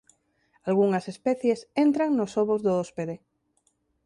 Algunhas especies entran nos ovos do hóspede.